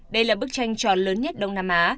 đây là bức tranh tròn lớn nhất đông nam á